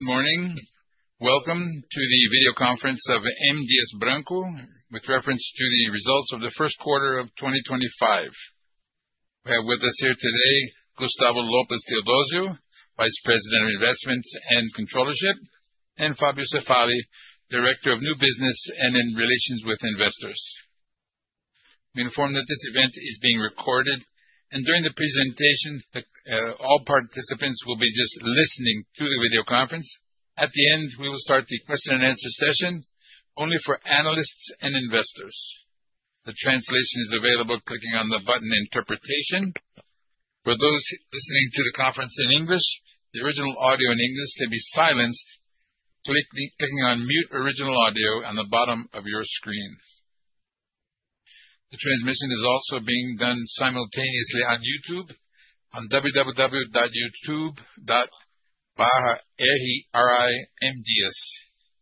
Good morning. Welcome to the video conference of M. Dias Branco with reference to the results of the first quarter of 2025. We have with us here today Gustavo Lopes Theodozio, Vice President of Investments and Controllership, and Fabio Cefaly, Director of New Business and in Relations with Investors. We inform that this event is being recorded, and during the presentation, all participants will be just listening to the video conference. At the end, we will start the question-and-answer session only for analysts and investors. The translation is available clicking on the button Interpretation. For those listening to the conference in English, the original audio in English can be silenced clicking on Mute Original Audio on the bottom of your screen. The transmission is also being done simultaneously on YouTube on www.youtube.com/mdiasbranco.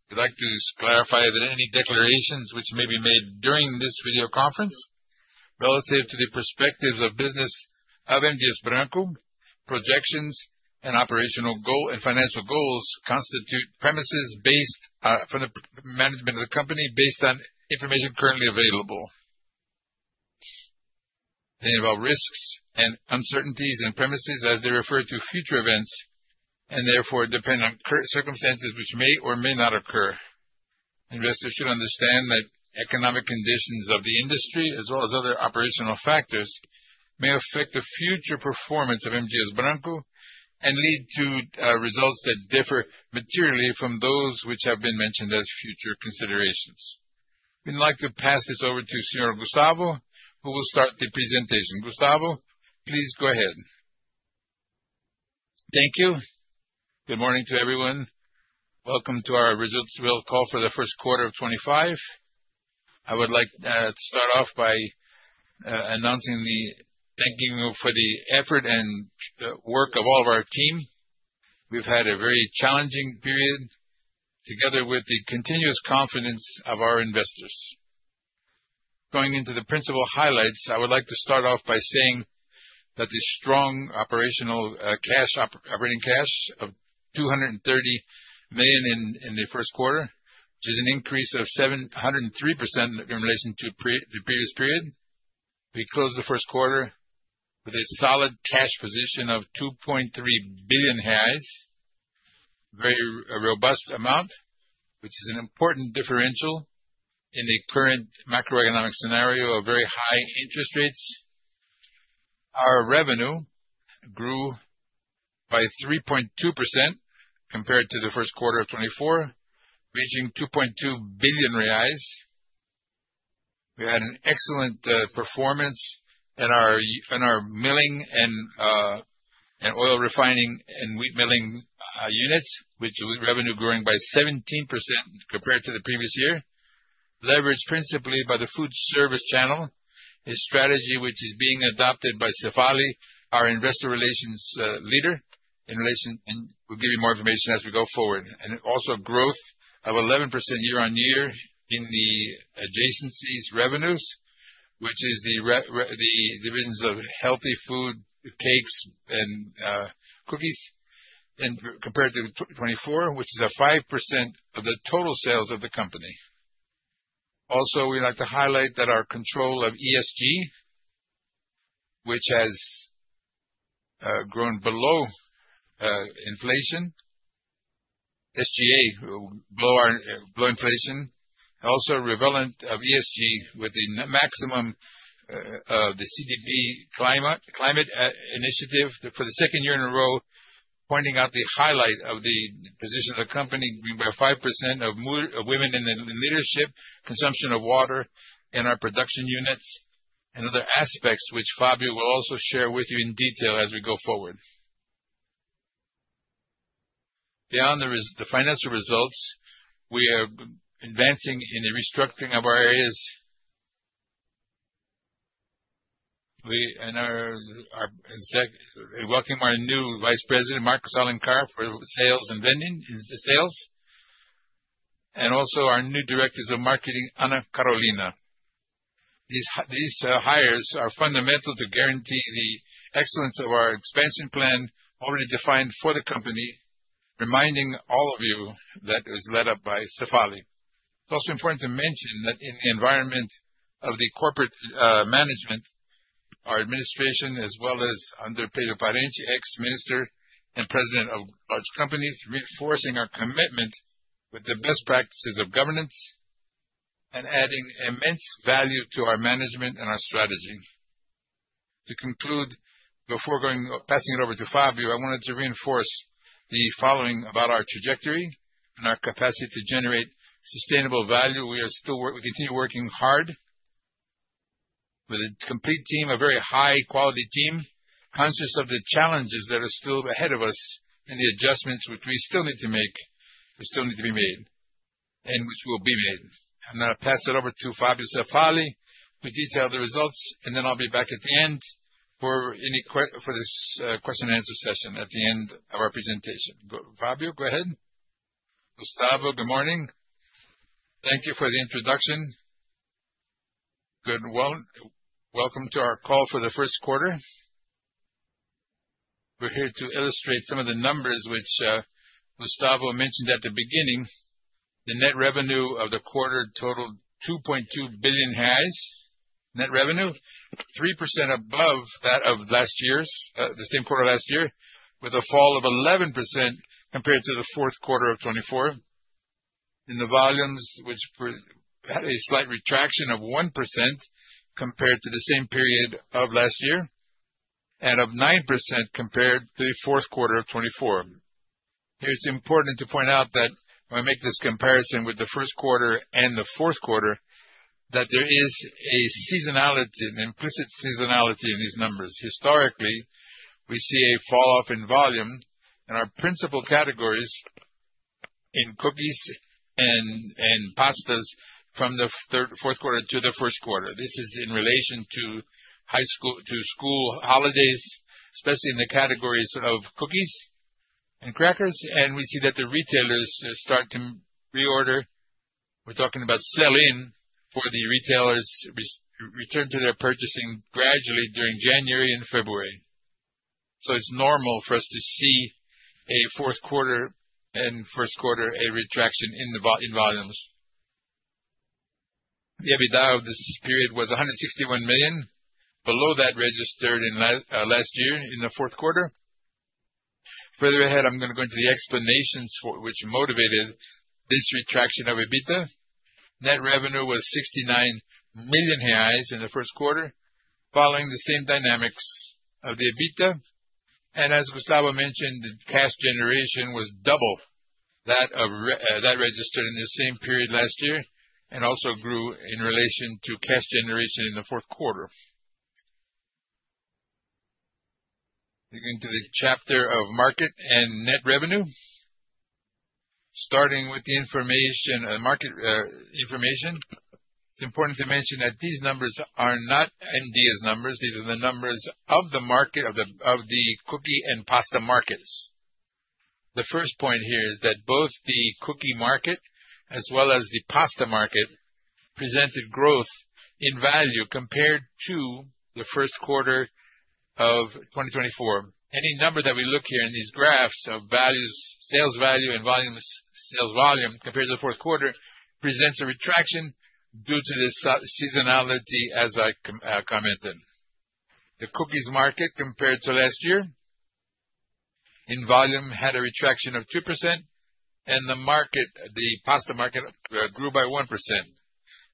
I'd like to clarify that any declarations which may be made during this video conference relative to the perspectives of business of M. Dias Branco, projections, and operational goal and financial goals constitute premises based from the management of the company based on information currently available. They involve risks and uncertainties and premises as they refer to future events and therefore depend on current circumstances which may or may not occur. Investors should understand that economic conditions of the industry, as well as other operational factors, may affect the future performance of M. Dias Branco and lead to results that differ materially from those which have been mentioned as future considerations. We'd like to pass this over to Mr. Gustavo, who will start the presentation. Gustavo, please go ahead. Thank you. Good morning to everyone. Welcome to our results conference call for the first quarter of 2025. I would like to start off by announcing the thank you for the effort and work of all of our team. We've had a very challenging period together with the continuous confidence of our investors. Going into the principal highlights, I would like to start off by saying that the strong operational cash, operating cash of 230 million in the first quarter, which is an increase of 103% in relation to the previous period. We closed the first quarter with a solid cash position of 2.3 billion, a very robust amount, which is an important differential in the current macroeconomic scenario of very high interest rates. Our revenue grew by 3.2% compared to the first quarter of 2024, reaching 2.2 billion reais. We had an excellent performance in our milling and oil refining and wheat milling units, which revenue grew by 17% compared to the previous year, leveraged principally by the food service channel, a strategy which is being adopted by Cefaly, our Investor Relations leader, in relation and we'll give you more information as we go forward, and also growth of 11% year-on-year in the adjacencies revenues, which is the divisions of healthy food, cakes, and cookies, and compared to 2024, which is a 5% of the total sales of the company. Also, we'd like to highlight that our control of ESG, which has grown below inflation, SG&A below inflation, also relevant of ESG with the maximum of the CDP climate initiative for the second year in a row, pointing out the highlight of the position of the company being by 5% of women in the leadership, consumption of water in our production units, and other aspects which Fabio will also share with you in detail as we go forward. Beyond the financial results, we are advancing in the restructuring of our areas and welcoming our new Vice President, Mateus Bastos Serra de Alencar, for Sales and Marketing, and also our new Director of Marketing, Ana Carolina. These hires are fundamental to guarantee the excellence of our expansion plan already defined for the company, reminding all of you that it was led up by Cefaly. It's also important to mention that in the environment of the corporate management, our administration, as well as under Pedro Parente, ex-Minister and President of large companies, reinforcing our commitment with the best practices of governance and adding immense value to our management and our strategy. To conclude, before passing it over to Fabio, I wanted to reinforce the following about our trajectory and our capacity to generate sustainable value. We continue working hard with a complete team, a very high-quality team, conscious of the challenges that are still ahead of us and the adjustments which we still need to make, which still need to be made, and which will be made. I'm going to pass it over to Fabio Cefaly. We detail the results, and then I'll be back at the end for this question-and-answer session at the end of our presentation. Fabio, go ahead. Gustavo, good morning. Thank you for the introduction. Good. Welcome to our call for the first quarter. We're here to illustrate some of the numbers which Gustavo mentioned at the beginning. The net revenue of the quarter totaled 2.2 billion, net revenue, 3% above that of last year, the same quarter last year, with a fall of 11% compared to the fourth quarter of 2024, in the volumes which had a slight retraction of 1% compared to the same period of last year and of 9% compared to the fourth quarter of 2024. It's important to point out that when I make this comparison with the first quarter and the fourth quarter, that there is a seasonality, an implicit seasonality in these numbers. Historically, we see a falloff in volume in our principal categories in cookies and pastas from the fourth quarter to the first quarter. This is in relation to school holidays, especially in the categories of cookies and crackers. We see that the retailers start to reorder. We are talking about sell-in for the retailers return to their purchasing gradually during January and February. It is normal for us to see a fourth quarter and first quarter a retraction in volumes. The EBITDA of this period was 161 million, below that registered last year in the fourth quarter. Further ahead, I am going to go into the explanations for which motivated this retraction of EBITDA. Net revenue was 69 million reais in the first quarter, following the same dynamics of the EBITDA. As Gustavo mentioned, the cash generation was double that registered in the same period last year and also grew in relation to cash generation in the fourth quarter. We are going to the chapter of market and net revenue. Starting with the information of market information, it's important to mention that these numbers are not M. Dias Branco's numbers. These are the numbers of the market of the cookie and pasta markets. The first point here is that both the cookie market as well as the pasta market presented growth in value compared to the first quarter of 2024. Any number that we look here in these graphs of sales value and sales volume compared to the fourth quarter presents a retraction due to the seasonality, as I commented. The cookies market compared to last year in volume had a retraction of 2%, and the pasta market grew by 1%.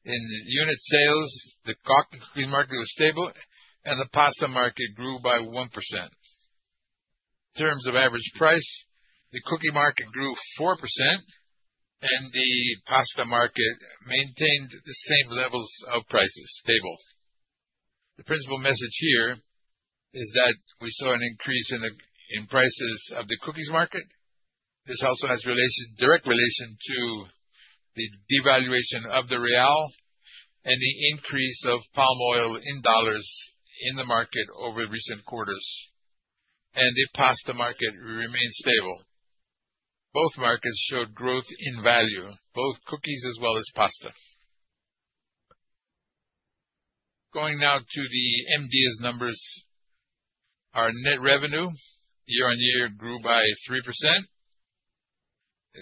In unit sales, the cookie market was stable, and the pasta market grew by 1%. In terms of average price, the cookie market grew 4%, and the pasta market maintained the same levels of prices, stable. The principal message here is that we saw an increase in prices of the cookies market. This also has direct relation to the devaluation of the real and the increase of palm oil in dollars in the market over recent quarters. The pasta market remained stable. Both markets showed growth in value, both cookies as well as pasta. Going now to the M. Dias Branco numbers, our net revenue year-on-year grew by 3%.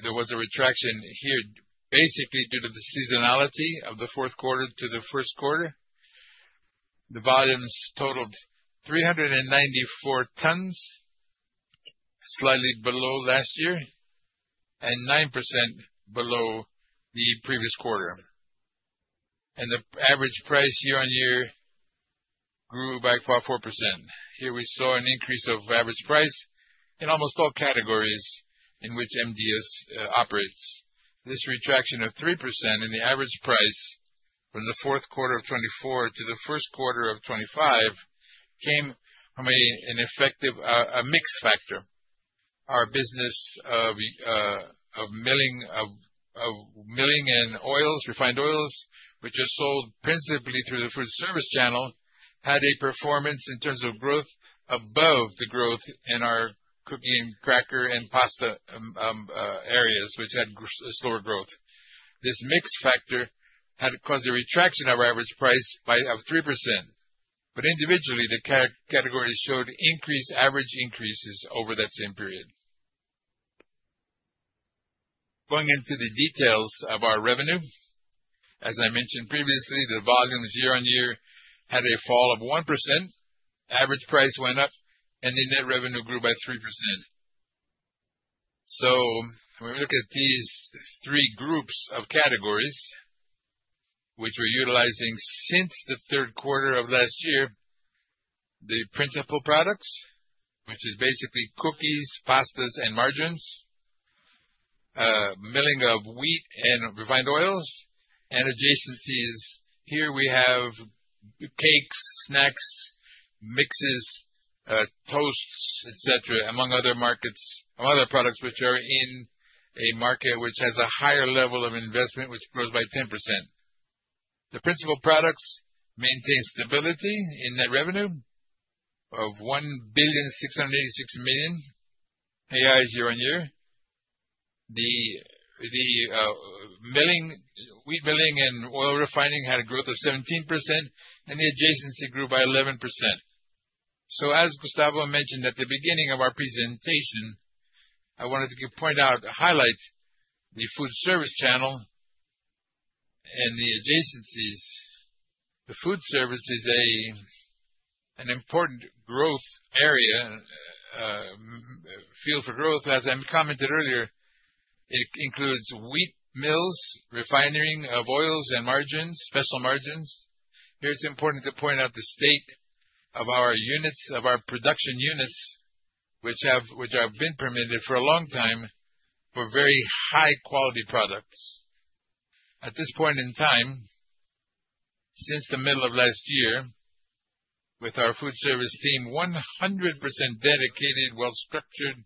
There was a retraction here basically due to the seasonality of the fourth quarter to the first quarter. The volumes totaled 394 tons, slightly below last year and 9% below the previous quarter. The average price year-on-year grew by about 4%. Here we saw an increase of average price in almost all categories in which M. Dias Branco operates. This retraction of 3% in the average price from the fourth quarter of 2024 to the first quarter of 2025 came from an effective mix factor. Our business of milling and refined oils, which are sold principally through the food service channel, had a performance in terms of growth above the growth in our cookie and cracker and pasta areas, which had slower growth. This mix factor had caused a retraction of average price by 3%. Individually, the categories showed increased average increases over that same period. Going into the details of our revenue, as I mentioned previously, the volumes year-on-year had a fall of 1%, average price went up, and the net revenue grew by 3%. When we look at these three groups of categories, which we're utilizing since the third quarter of last year, the principal products, which is basically cookies, pasta, and margarine, milling of wheat and refined oils, and adjacencies. Here we have cakes, snacks, mixes, toasts, etc., among other products which are in a market which has a higher level of investment, which grows by 10%. The principal products maintain stability in net revenue of 1,686 million reais year-on-year. The wheat milling and oil refining had a growth of 17%, and the adjacency grew by 11%. As Gustavo mentioned at the beginning of our presentation, I wanted to point out, highlight the food service channel and the adjacencies. The food service is an important growth area, field for growth. As I commented earlier, it includes wheat mills, refining of oils and margarine, special margarine. Here it's important to point out the state of our units, of our production units, which have been permitted for a long time for very high-quality products. At this point in time, since the middle of last year, with our food service team 100% dedicated, well-structured,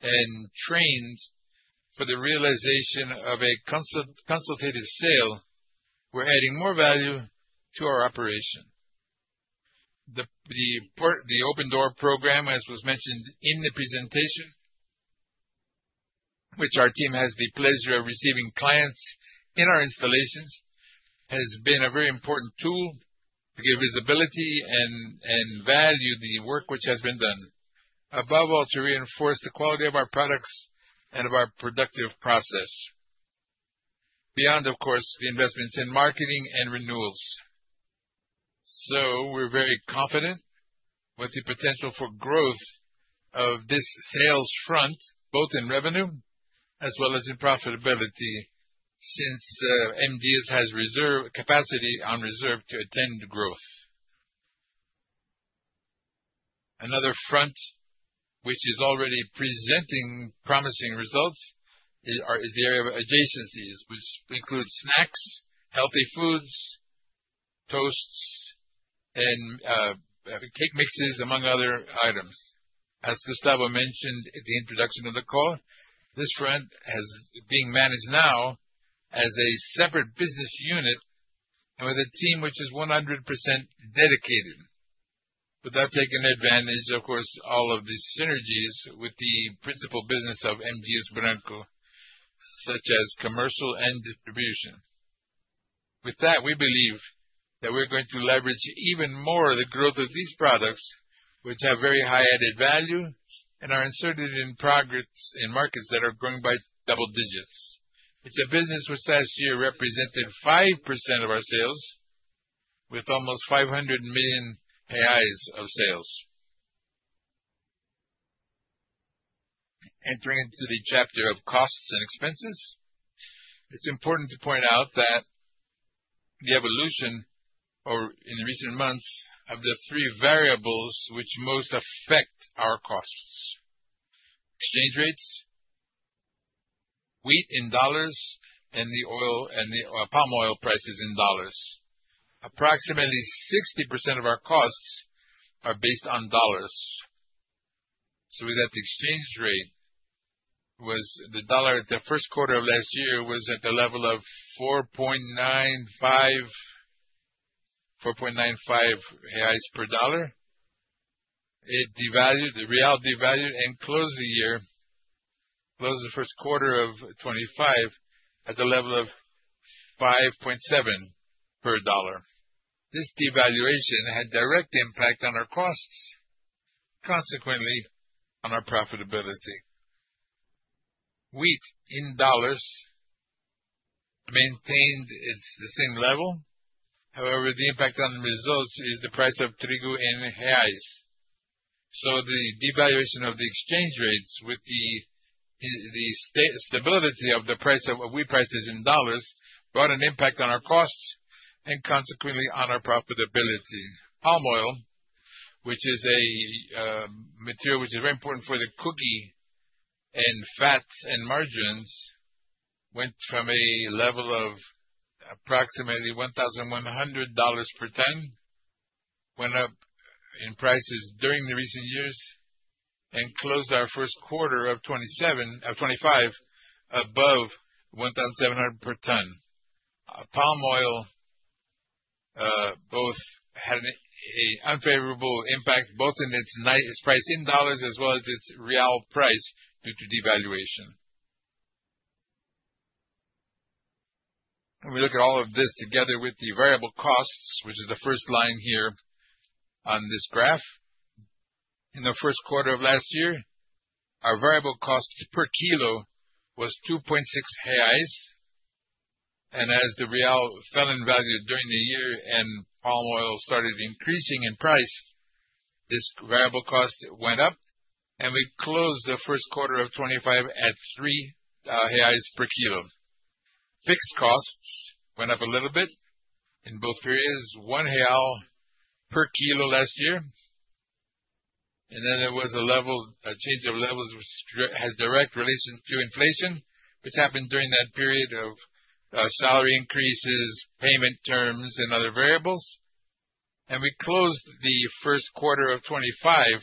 and trained for the realization of a consultative sale, we're adding more value to our operation. The open-door program, as was mentioned in the presentation, which our team has the pleasure of receiving clients in our installations, has been a very important tool to give visibility and value the work which has been done, above all to reinforce the quality of our products and of our productive process, beyond, of course, the investments in marketing and renewals. We are very confident with the potential for growth of this sales front, both in revenue as well as in profitability, since M. Dias has capacity on reserve to attend growth. Another front which is already presenting promising results is the area of adjacencies, which includes snacks, healthy foods, toasts, and cake mixes, among other items. As Gustavo mentioned at the introduction of the call, this front is being managed now as a separate business unit with a team which is 100% dedicated, without taking advantage, of course, of all of the synergies with the principal business of M. Dias Branco, such as commercial and distribution. With that, we believe that we're going to leverage even more the growth of these products, which have very high added value and are inserted in markets that are growing by double digits. It's a business which last year represented 5% of our sales, with almost 500 million reais of sales. Entering into the chapter of costs and expenses, it's important to point out that the evolution, or in recent months, of the three variables which most affect our costs: exchange rates, wheat in dollars, and the palm oil prices in dollars. Approximately 60% of our costs are based on dollars. With that, the exchange rate was the dollar at the first quarter of last year was at the level of 4.95 reais per dollar. It devalued, the real devalued, and closed the year, closed the first quarter of 2025 at the level of 5.7 per dollar. This devaluation had direct impact on our costs, consequently on our profitability. Wheat in dollars maintained its same level. However, the impact on the results is the price of wheat in reais. The devaluation of the exchange rates with the stability of the price of wheat prices in dollars brought an impact on our costs and consequently on our profitability. Palm oil, which is a material which is very important for the cookie and fats and margins, went from a level of approximately $1,100 per ton, went up in prices during the recent years and closed our first quarter of 2025 above $1,700 per ton. Palm oil both had an unfavorable impact, both in its price in dollars as well as its real price due to devaluation. When we look at all of this together with the variable costs, which is the first line here on this graph, in the first quarter of last year, our variable cost per kilo was 2.6 reais. As the real fell in value during the year and palm oil started increasing in price, this variable cost went up, and we closed the first quarter of 2025 at 3 reais per kilo. Fixed costs went up a little bit in both periods, 1 real per kilo last year. There was a level change of levels which has direct relation to inflation, which happened during that period of salary increases, payment terms, and other variables. We closed the first quarter of 2025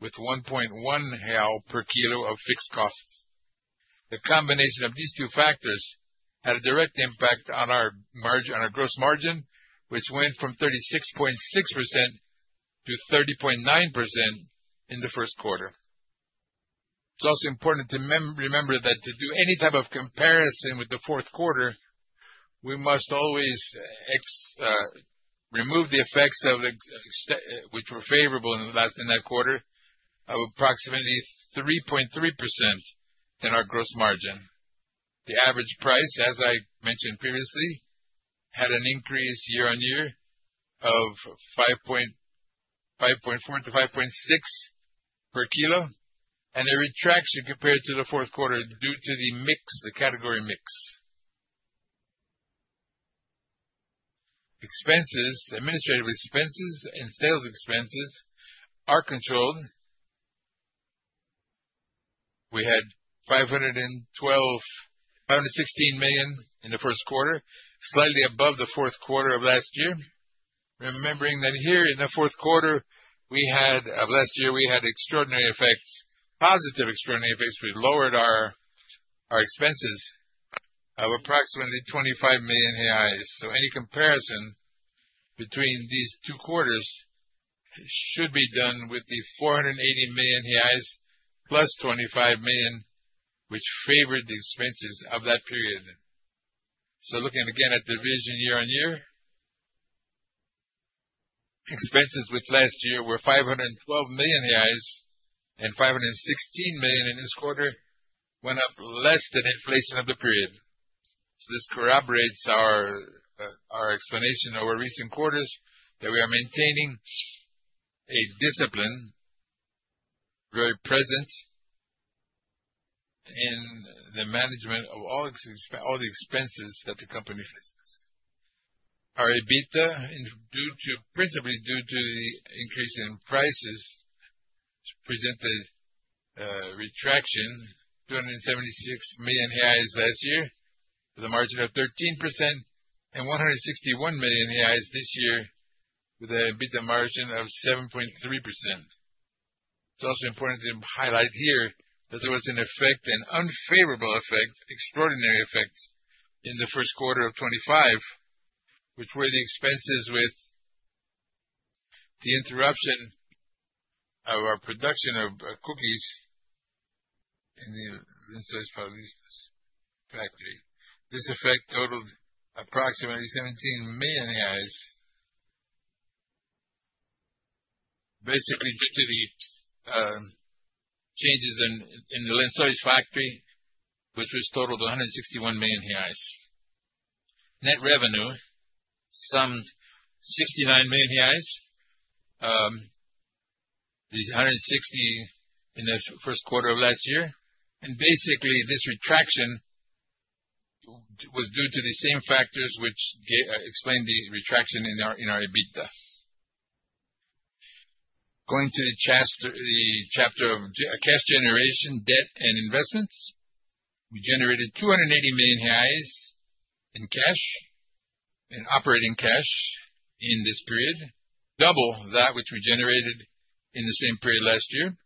with 1.1 per kilo of fixed costs. The combination of these two factors had a direct impact on our gross margin, which went from 36.6% to 30.9% in the first quarter. It's also important to remember that to do any type of comparison with the fourth quarter, we must always remove the effects which were favorable in that quarter of approximately 3.3% in our gross margin. The average price, as I mentioned previously, had an increase year-on-year of 5.4-5.6 per kilo, and a retraction compared to the fourth quarter due to the mix, the category mix. Administrative expenses and sales expenses are controlled. We had 516 million in the first quarter, slightly above the fourth quarter of last year. Remembering that here in the fourth quarter of last year, we had extraordinary effects, positive extraordinary effects. We lowered our expenses of approximately 25 million reais. So any comparison between these two quarters should be done with the 480 million reais plus 25 million, which favored the expenses of that period. Looking again at the revision year-on-year, expenses with last year were 512 million reais and 516 million in this quarter, went up less than inflation of the period. This corroborates our explanation of our recent quarters that we are maintaining a discipline very present in the management of all the expenses that the company faces. Our EBITDA, principally due to the increase in prices, presented retraction 276 million reais last year with a margin of 13% and 161 million reais this year with an EBITDA margin of 7.3%. It's also important to highlight here that there was an effect, an unfavorable effect, extraordinary effect in the first quarter of 2025, which were the expenses with the interruption of our production of cookies in the factory. This effect totaled approximately 17 million, basically due to the changes in the Lençóis Paulista factory, which was totaled 161 million reais. Net revenue summed 69 million reais, the 160 in the first quarter of last year. Basically, this retraction was due to the same factors which explained the retraction in our EBITDA. Going to the chapter of cash generation, debt, and investments, we generated 280 million reais in cash, in operating cash in this period, double that which we generated in the same period last year.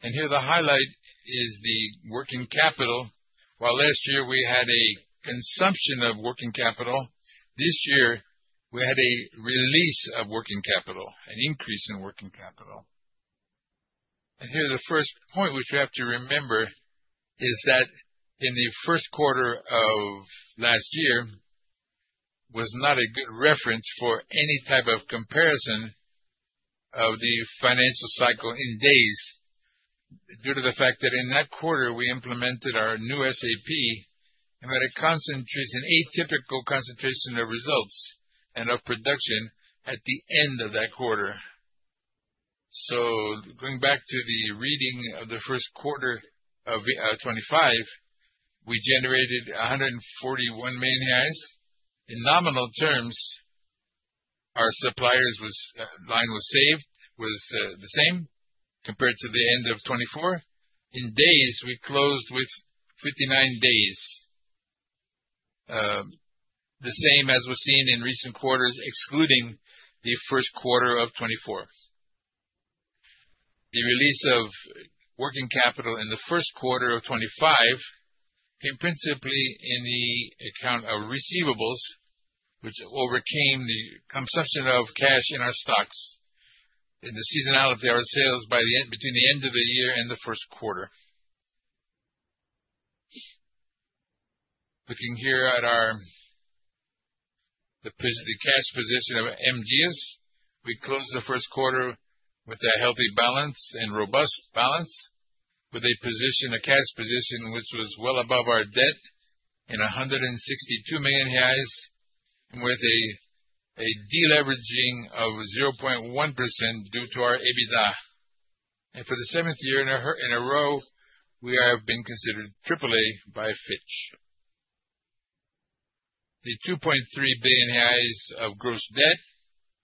Here the highlight is the working capital. While last year we had a consumption of working capital, this year we had a release of working capital, an increase in working capital. The first point which you have to remember is that in the first quarter of last year was not a good reference for any type of comparison of the financial cycle in days due to the fact that in that quarter we implemented our new SAP and that it concentrates an atypical concentration of results and of production at the end of that quarter. Going back to the reading of the first quarter of 2025, we generated 141 million. In nominal terms, our suppliers line was the same compared to the end of 2024. In days, we closed with 59 days, the same as was seen in recent quarters, excluding the first quarter of 2024. The release of working capital in the first quarter of 2025 came principally in the account of receivables, which overcame the consumption of cash in our stocks in the seasonality of our sales between the end of the year and the first quarter. Looking here at the cash position of M. Dias Branco, we closed the first quarter with a healthy balance and robust balance, with a cash position which was well above our debt in 162 million reais and with a deleveraging of 0.1% due to our EBITDA. For the seventh year in a row, we have been considered AAA by Fitch Ratings. The 2.3 billion of gross debt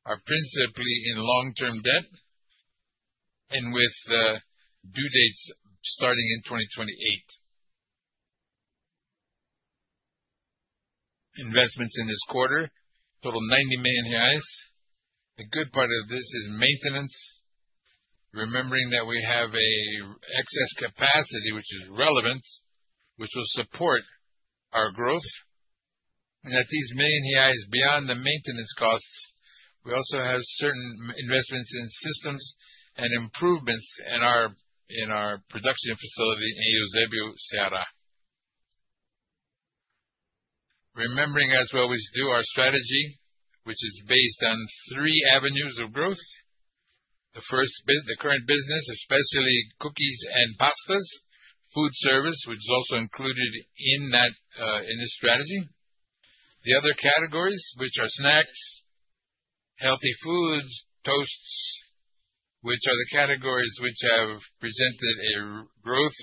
are principally in long-term debt and with due dates starting in 2028. Investments in this quarter total 90 million reais. A good part of this is maintenance, remembering that we have an excess capacity which is relevant, which will support our growth. At these million reais beyond the maintenance costs, we also have certain investments in systems and improvements in our production facility in Eusébio. Remembering, as we always do, our strategy, which is based on three avenues of growth. The current business, especially cookies and pasta, food service, which is also included in this strategy. The other categories, which are snacks, healthy foods, toasts, which are the categories which have presented a growth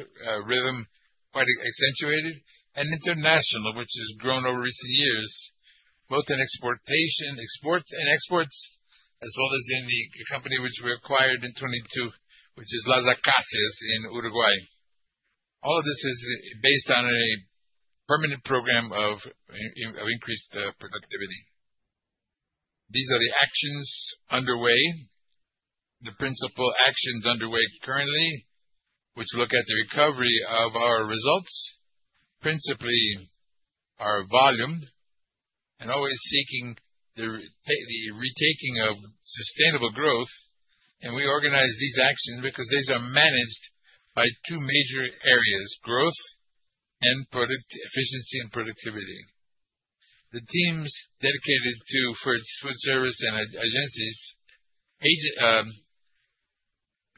rhythm quite accentuated, and international, which has grown over recent years, both in exports as well as in the company which we acquired in 2022, which is Las Acacias in Uruguay. All of this is based on a permanent program of increased productivity. These are the actions underway, the principal actions underway currently, which look at the recovery of our results, principally our volume, and always seeking the retaking of sustainable growth. We organize these actions because these are managed by two major areas: growth and efficiency and productivity. The teams dedicated to food service and agencies is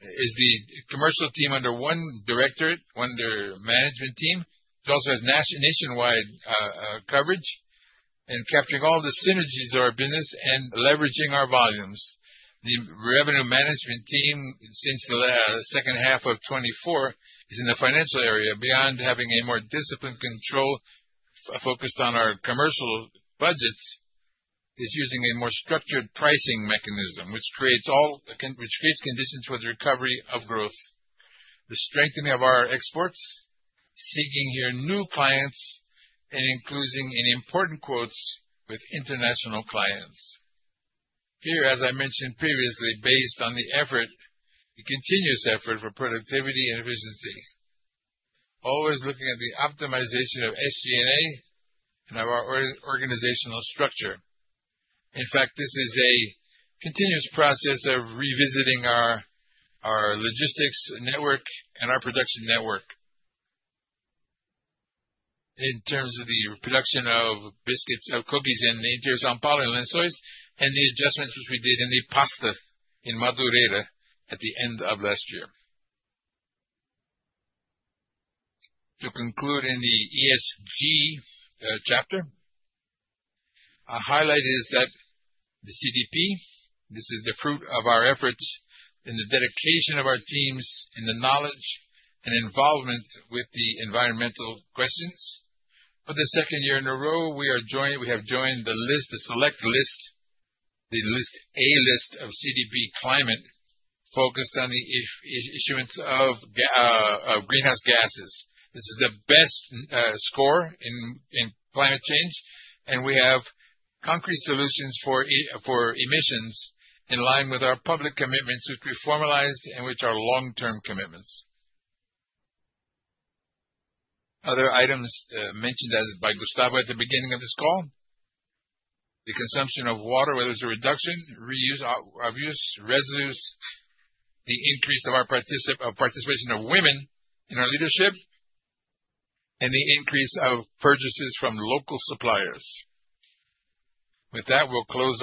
the commercial team under one directorate, under management team. It also has nationwide coverage and capturing all the synergies of our business and leveraging our volumes. The revenue management team since the second half of 2024 is in the financial area. Beyond having a more disciplined control focused on our commercial budgets, it is using a more structured pricing mechanism, which creates conditions for the recovery of growth, the strengthening of our exports, seeking here new clients, and including important quotes with international clients. Here, as I mentioned previously, based on the effort, the continuous effort for productivity and efficiency, always looking at the optimization of SG&A and of our organizational structure. In fact, this is a continuous process of revisiting our logistics network and our production network in terms of the production of biscuits, of cookies and refining, and the adjustments which we did in the pasta in Madureira at the end of last year. To conclude in the ESG chapter, a highlight is that the CDP, this is the fruit of our efforts and the dedication of our teams in the knowledge and involvement with the environmental questions. For the second year in a row, we have joined the list, the select list, the A list of CDP climate focused on the issuance of greenhouse gases. This is the best score in climate change, and we have concrete solutions for emissions in line with our public commitments which we formalized and which are long-term commitments. Other items mentioned as by Gustavo at the beginning of this call, the consumption of water, whether it's a reduction, reuse, abuse, residues, the increase of participation of women in our leadership, and the increase of purchases from local suppliers. With that, we'll close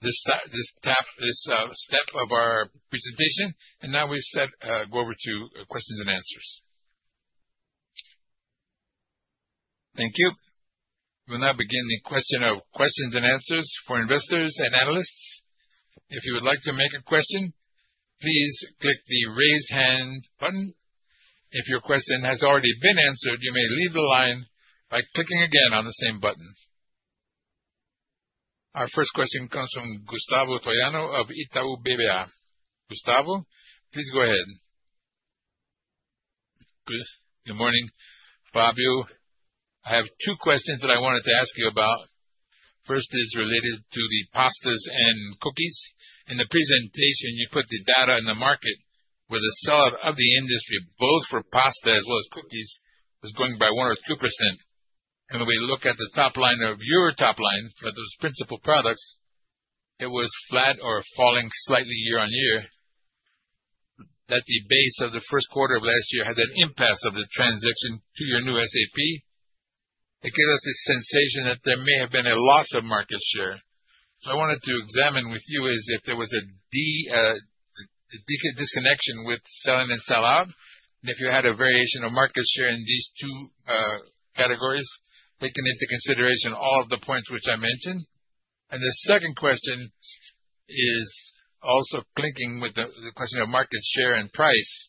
this step of our presentation. Now we go over to questions and answers. Thank you. We'll now begin the questions and answers for investors and analysts. If you would like to make a question, please click the raise hand button. If your question has already been answered, you may leave the line by clicking again on the same button. Our first question comes from Gustavo Troyano of Itaú BBA. Gustavo, please go ahead. Good morning, Fabio. I have two questions that I wanted to ask you about. First is related to the pastas and cookies. In the presentation, you put the data in the market where the sell-out of the industry, both for pasta as well as cookies, was going by 1% or 2%. And when we look at the top line of your top line for those principal products, it was flat or falling slightly year on year. That the base of the first quarter of last year had an impasse of the transition to your new SAP. It gave us the sensation that there may have been a loss of market share. I wanted to examine with you if there was a disconnection with sell-in and sell-out, and if you had a variation of market share in these two categories, taking into consideration all of the points which I mentioned. The second question is also clinking with the question of market share and price.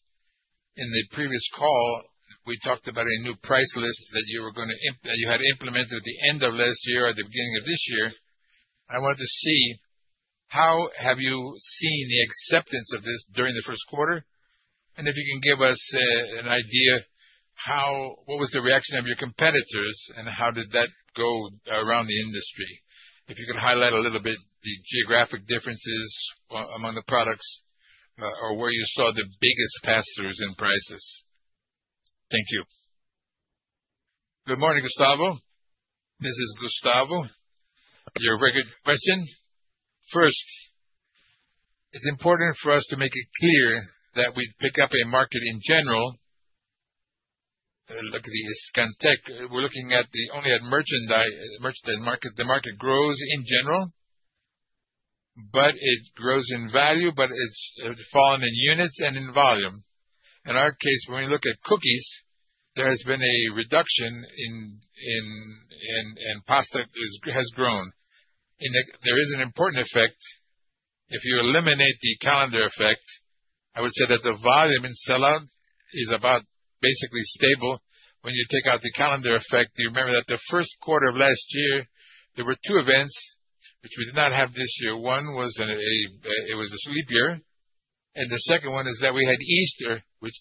In the previous call, we talked about a new price list that you were going to implement at the end of last year or the beginning of this year. I wanted to see how have you seen the acceptance of this during the first quarter, and if you can give us an idea of what was the reaction of your competitors and how did that go around the industry. If you could highlight a little bit the geographic differences among the products or where you saw the biggest pass-throughs in prices. Thank you. Good morning, Gustavo. This is Gustavo, your record question. First, it's important for us to make it clear that we pick up a market in general. We're looking at the only at merchandise. The market grows in general, but it grows in value, but it's fallen in units and in volume. In our case, when we look at cookies, there has been a reduction in pasta that has grown. There is an important effect. If you eliminate the calendar effect, I would say that the volume in sell-out is about basically stable. When you take out the calendar effect, you remember that the first quarter of last year, there were two events which we did not have this year. One was a leap year, and the second one is that we had Easter, which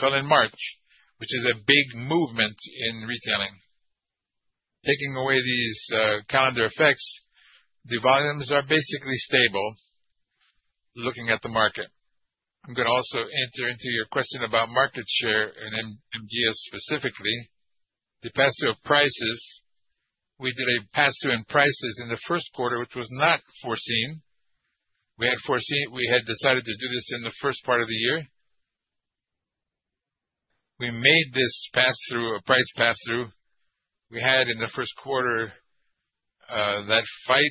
fell in March, which is a big movement in retailing. Taking away these calendar effects, the volumes are basically stable looking at the market. I'm going to also enter into your question about market share and M. Dias Branco specifically. The pass-through of prices, we did a pass-through in prices in the first quarter, which was not foreseen. We had decided to do this in the first part of the year. We made this pass-through, a price pass-through. We had in the first quarter that fight,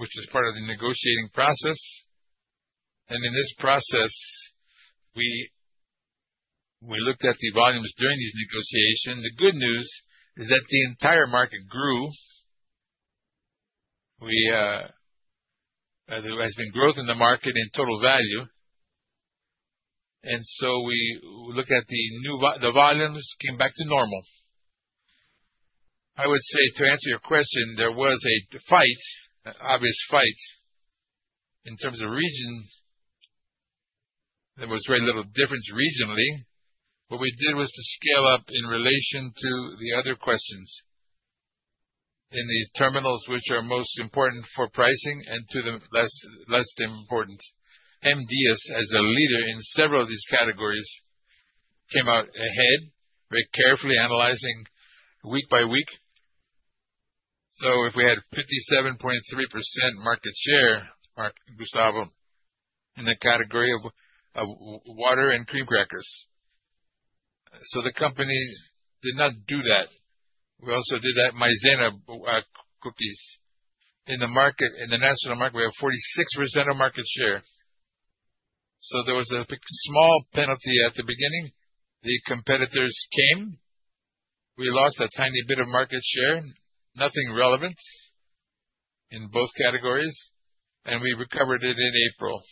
which is part of the negotiating process. In this process, we looked at the volumes during these negotiations. The good news is that the entire market grew. There has been growth in the market in total value. We look at the volumes came back to normal. I would say to answer your question, there was a fight, an obvious fight in terms of region. There was very little difference regionally. What we did was to scale up in relation to the other questions in these terminals, which are most important for pricing, and to the less important. Branco, as a leader in several of these categories, came out ahead, very carefully analyzing week by week. If we had 57.3% market share, Gustavo, in the category of water and cream crackers. The company did not do that. We also did that, Maizena cookies. In the national market, we have 46% of market share. There was a small penalty at the beginning. The competitors came. We lost a tiny bit of market share, nothing relevant in both categories, and we recovered it in April.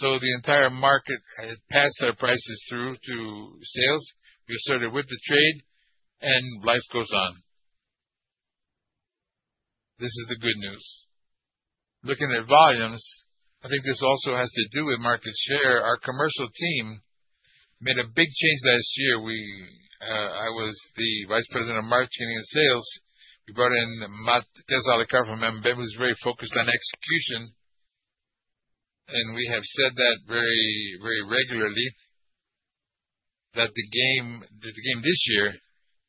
The entire market had passed our prices through to sales. We started with the trade, and life goes on. This is the good news. Looking at volumes, I think this also has to do with market share. Our commercial team made a big change last year. I was the Vice President of Marketing and Sales. We brought in Mateus from Ambev, who's very focused on execution. We have said that very regularly, that the game this year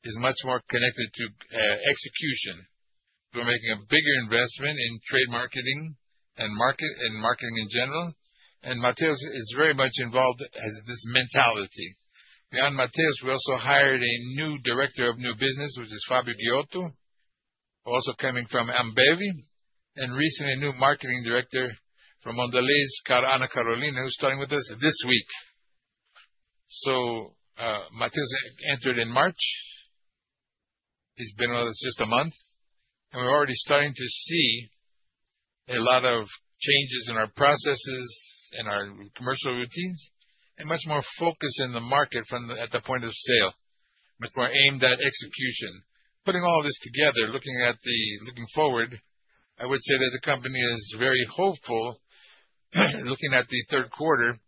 is much more connected to execution. We're making a bigger investment in trade marketing and marketing in general. Mateus is very much involved as this mentality. Beyond Mateus, we also hired a new Director of New Business, which is Uncertain, also coming from Ambev, and recently a new Marketing Director from Mondelez, Ana Carolina, who's starting with us this week. Mateus entered in March. He's been with us just a month. We're already starting to see a lot of changes in our processes and our commercial routines and much more focus in the market at the point of sale, much more aimed at execution. Putting all this together, looking forward, I would say that the company is very hopeful looking at the third quarter,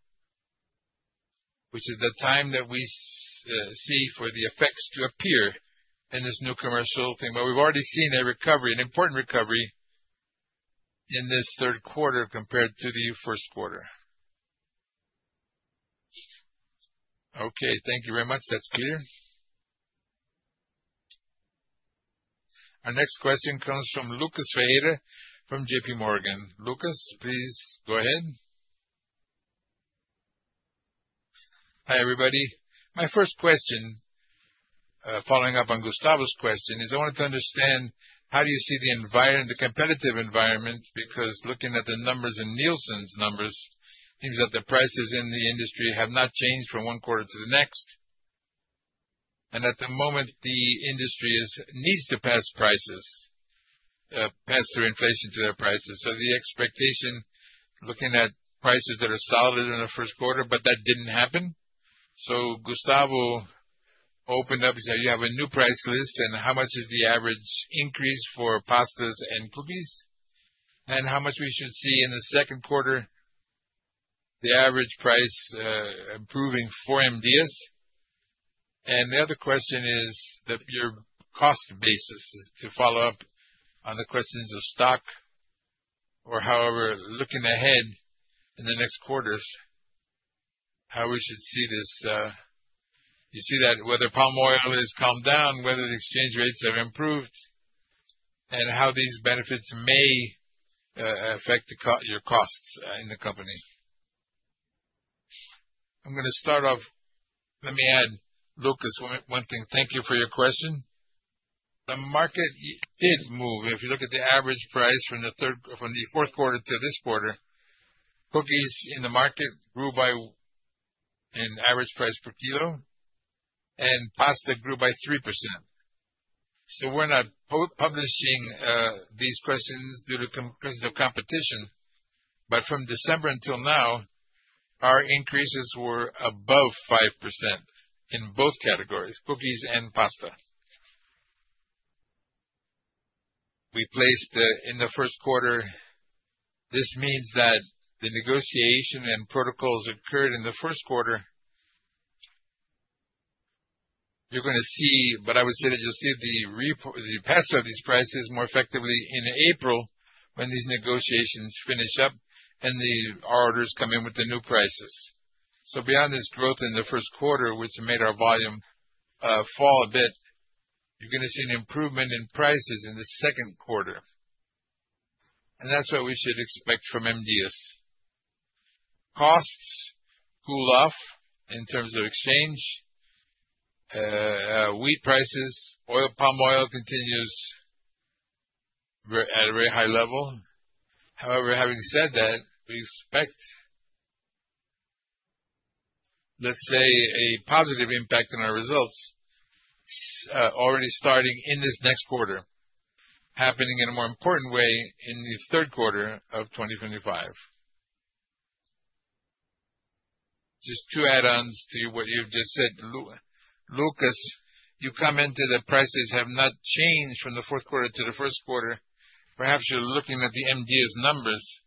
which is the time that we see for the effects to appear in this new commercial thing. We have already seen a recovery, an important recovery in this third quarter compared to the first quarter. Okay, thank you very much. That is clear. Our next question comes from Lucas Ferreira from JPMorgan. Lucas, please go ahead. Hi everybody. My first question, following up on Gustavo's question, is I wanted to understand how do you see the competitive environment because looking at the numbers and Nielsen's numbers, it seems that the prices in the industry have not changed from one quarter to the next. At the moment, the industry needs to pass prices, pass-through inflation to their prices. The expectation, looking at prices that are solid in the first quarter, but that did not happen. Gustavo opened up, he said, "You have a new price list, and how much is the average increase for pastas and cookies? And how much should we see in the second quarter, the average price improving for M. Dias Branco?" The other question is your cost basis to follow up on the questions of stock or however, looking ahead in the next quarters, how we should see this. You see that whether palm oil has calmed down, whether the exchange rates have improved, and how these benefits may affect your costs in the company. I am going to start off. Let me add, Lucas, one thing. Thank you for your question. The market did move. If you look at the average price from the fourth quarter to this quarter, cookies in the market grew by an average price per kilo, and pasta grew by 3%. We are not publishing these questions due to competition, but from December until now, our increases were above 5% in both categories, cookies and pasta. We placed in the first quarter. This means that the negotiation and protocols occurred in the first quarter. You are going to see, but I would say that you will see the pass-through of these prices more effectively in April when these negotiations finish up and the orders come in with the new prices. Beyond this growth in the first quarter, which made our volume fall a bit, you are going to see an improvement in prices in the second quarter. That is what we should expect from M. Dias Branco. Costs cool off in terms of exchange. Wheat prices, palm oil continues at a very high level. However, having said that, we expect, let's say, a positive impact on our results already starting in this next quarter, happening in a more important way in the third quarter of 2025. Just two add-ons to what you've just said. Lucas, you commented that prices have not changed from the fourth quarter to the first quarter. Perhaps you're looking at the M. Dias Branco numbers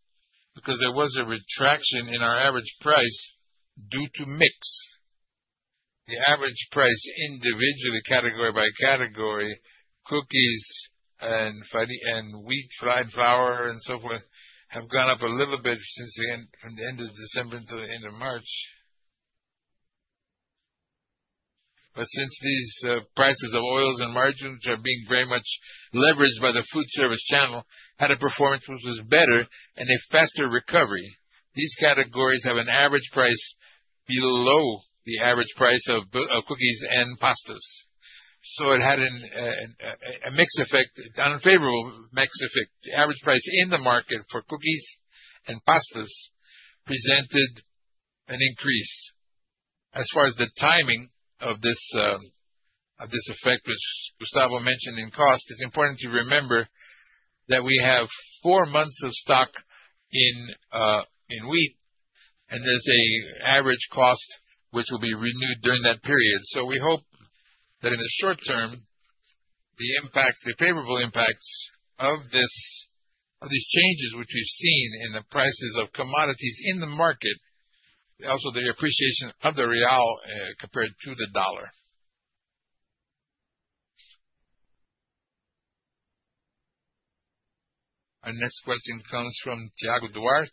because there was a retraction in our average price due to mix. The average price individually, category by category, cookies and wheat, fried flour, and so forth have gone up a little bit from the end of December until the end of March. Since these prices of oils and margins, which are being very much leveraged by the food service channel, had a performance which was better and a faster recovery, these categories have an average price below the average price of cookies and pastas. It had a mixed effect, an unfavorable mixed effect. The average price in the market for cookies and pastas presented an increase. As far as the timing of this effect, which Gustavo mentioned in cost, it is important to remember that we have four months of stock in wheat, and there is an average cost which will be renewed during that period. We hope that in the short term, the favorable impacts of these changes which we have seen in the prices of commodities in the market, also the appreciation of the real compared to the dollar. Our next question comes from Thiago Duarte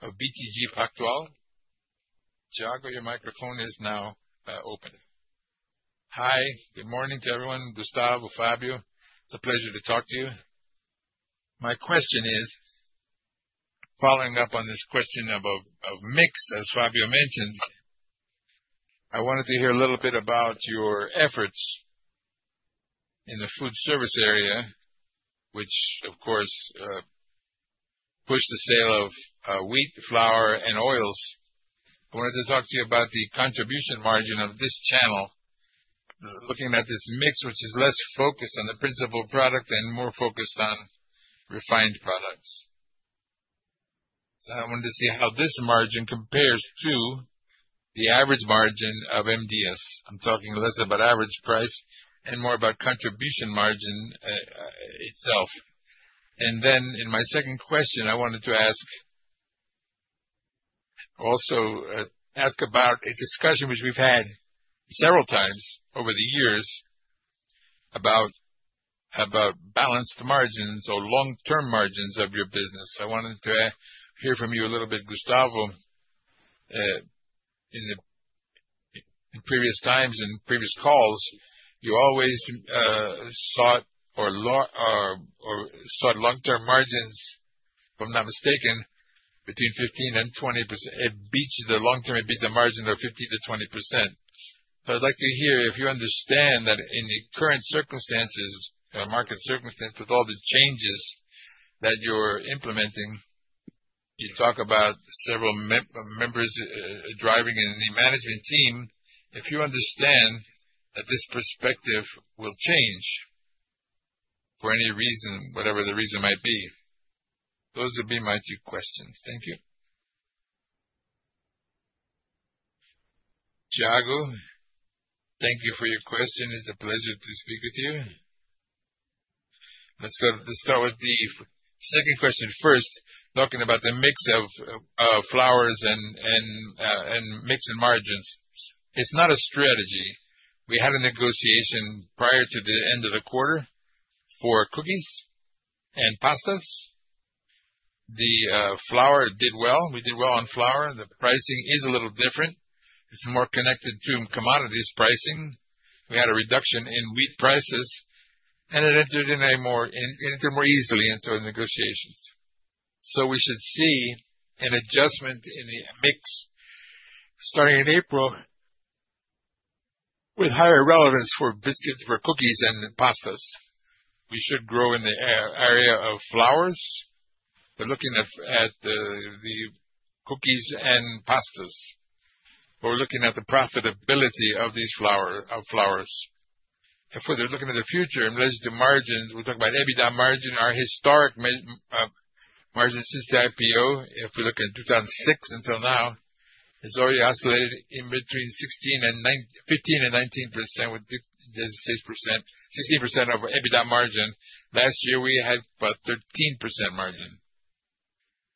of BTG Pactual. Thiago, your microphone is now open. Hi, good morning to everyone, Gustavo, Fabio. It's a pleasure to talk to you. My question is, following up on this question of mix, as Fabio mentioned, I wanted to hear a little bit about your efforts in the food service area, which, of course, pushed the sale of wheat flour and oils. I wanted to talk to you about the contribution margin of this channel, looking at this mix, which is less focused on the principal product and more focused on refined products. I wanted to see how this margin compares to the average margin of M. Dias Branco. I'm talking less about average price and more about contribution margin itself. In my second question, I wanted to also ask about a discussion which we've had several times over the years about balanced margins or long-term margins of your business. I wanted to hear from you a little bit, Gustavo. In previous times and previous calls, you always sought long-term margins, if I'm not mistaken, between 15%-20%. It beats the long-term, it beats the margin of 15%-20%. So I'd like to hear if you understand that in the current circumstances, market circumstances, with all the changes that you're implementing, you talk about several members driving in the management team. If you understand that this perspective will change for any reason, whatever the reason might be. Those would be my two questions. Thank you. Thiago, thank you for your question. It's a pleasure to speak with you. Let's start with the second question first, talking about the mix of flours and mix and margins. It's not a strategy. We had a negotiation prior to the end of the quarter for cookies and pastas. The flour did well. We did well on flour. The pricing is a little different. It's more connected to commodities pricing. We had a reduction in wheat prices, and it entered more easily into negotiations. We should see an adjustment in the mix starting in April with higher relevance for biscuits, for cookies, and pastas. We should grow in the area of flours. We're looking at the cookies and pastas. We're looking at the profitability of these flours. If we're looking at the future in relation to margins, we're talking about EBITDA margin, our historic margin since the IPO. If we look at 2006 until now, it's already oscillated between 15%-19% with 16% of EBITDA margin. Last year, we had about 13% margin.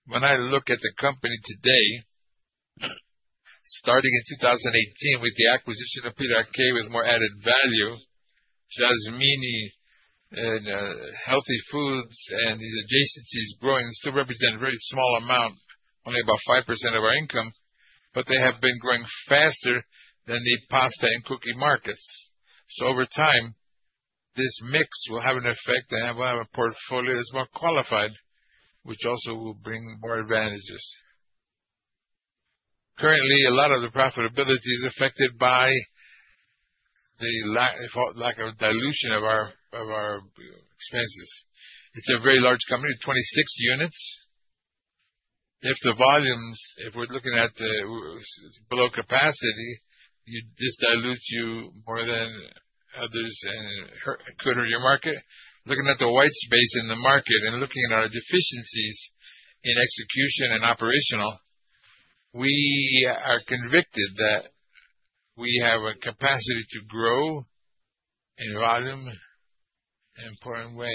When I look at the company today, starting in 2018 with the acquisition of Piraquê with more added value, Jasmine and healthy foods and these adjacencies growing, still represent a very small amount, only about 5% of our income, but they have been growing faster than the pasta and cookie markets. Over time, this mix will have an effect and will have a portfolio that's more qualified, which also will bring more advantages. Currently, a lot of the profitability is affected by the lack of dilution of our expenses. It's a very large company, 26 units. If the volumes, if we're looking at below capacity, this dilutes you more than others and could hurt your market. Looking at the white space in the market and looking at our deficiencies in execution and operational, we are convicted that we have a capacity to grow in volume in an important way,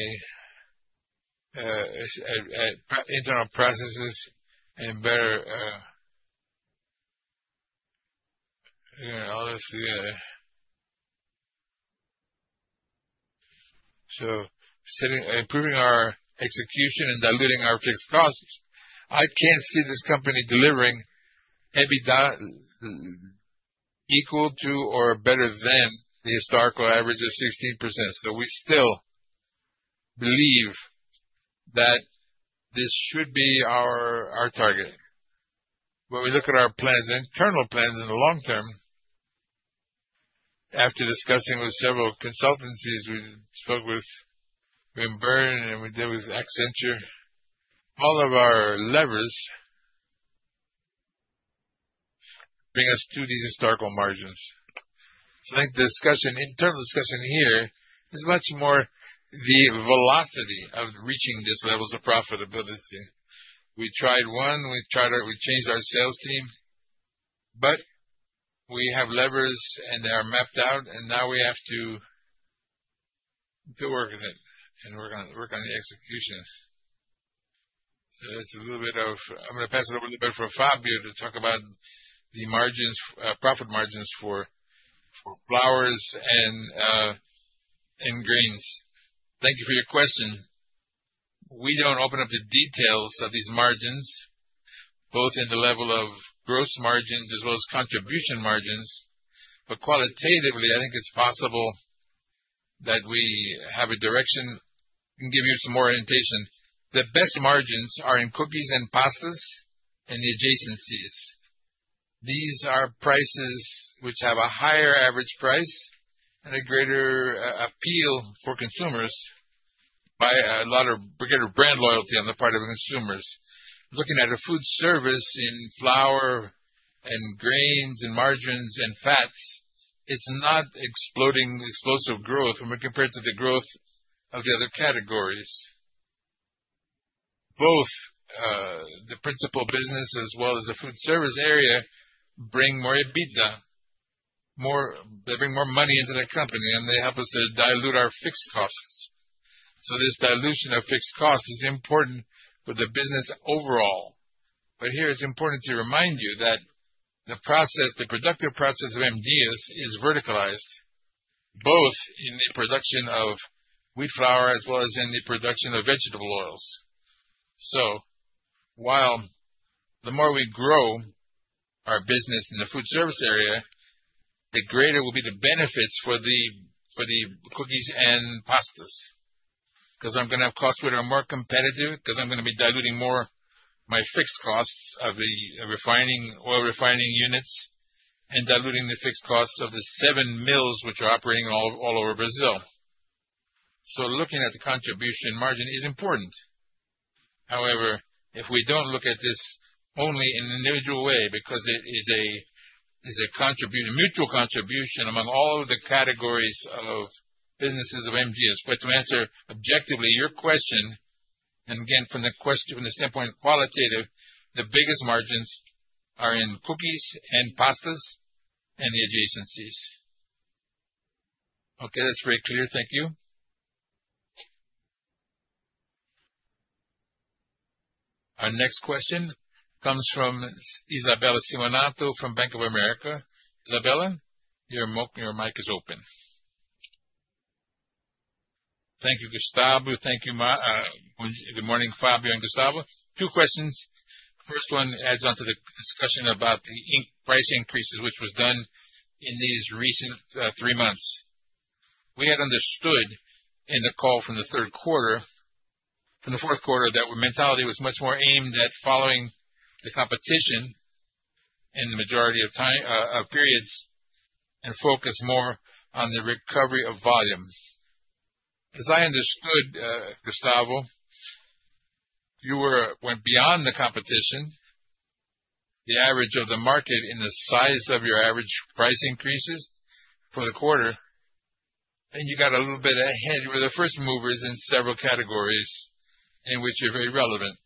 internal processes, and better so improving our execution and diluting our fixed costs. I can't see this company delivering EBITDA equal to or better than the historical average of 16%. We still believe that this should be our target. When we look at our plans, internal plans in the long term, after discussing with several consultancies we spoke with, we are in Bain and we deal with Accenture, all of our levers bring us to these historical margins. I think the internal discussion here is much more the velocity of reaching these levels of profitability. We tried one, we changed our sales team, but we have levers and they are mapped out, and now we have to work with it and work on the execution. That is a little bit of I'm going to pass it over a little bit for Fabio to talk about the profit margins for flours and grains. Thank you for your question. We do not open up the details of these margins, both in the level of gross margins as well as contribution margins, but qualitatively, I think it is possible that we have a direction. I can give you some more orientation. The best margins are in cookies and pastas and the adjacencies. These are prices which have a higher average price and a greater appeal for consumers by a lot of greater brand loyalty on the part of consumers. Looking at food service in flour and grains and margins and fats, it's not explosive growth when we compare it to the growth of the other categories. Both the principal business as well as the food service area bring more EBITDA. They bring more money into the company, and they help us to dilute our fixed costs. This dilution of fixed costs is important for the business overall. Here, it's important to remind you that the productive process of M. Dias Branco is verticalized, both in the production of wheat flour as well as in the production of vegetable oils. While the more we grow our business in the food service area, the greater will be the benefits for the cookies and pastas. Because I'm going to have costs that are more competitive because I'm going to be diluting more my fixed costs of the refining oil refining units and diluting the fixed costs of the seven mills which are operating all over Brazil. Looking at the contribution margin is important. However, if we don't look at this only in an individual way because it is a mutual contribution among all of the categories of businesses of M. Dias Branco, but to answer objectively your question, and again, from the standpoint qualitative, the biggest margins are in cookies and pastas and the adjacencies. Okay, that's very clear. Thank you. Our next question comes from Isabella Simonato from Bank of America. Isabella, your mic is open. Thank you, Gustavo. Thank you. Good morning, Fabio and Gustavo. Two questions. First one adds on to the discussion about the price increases, which was done in these recent three months. We had understood in the call from the third quarter, from the fourth quarter, that mentality was much more aimed at following the competition in the majority of periods and focused more on the recovery of volume. As I understood, Gustavo, you went beyond the competition, the average of the market in the size of your average price increases for the quarter, and you got a little bit ahead. You were the first movers in several categories in which you're very relevant.